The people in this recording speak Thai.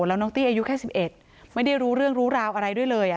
แล้วน้องตี้อายุแค่๑๑ไม่ได้รู้เรื่องรู้ราวอะไรด้วยเลย